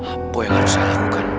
apa yang harus saya lakukan